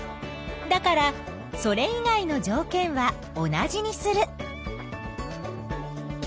だからそれ以外のじょうけんは同じにする。